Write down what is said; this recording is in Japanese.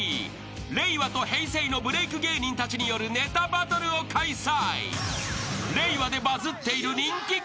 ［令和と平成のブレーク芸人たちによるネタバトルを開催］